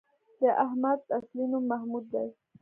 د احمد اصلی نوم محمود دی